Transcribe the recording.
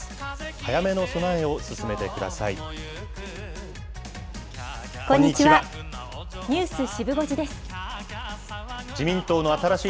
早めの備えを進めてください。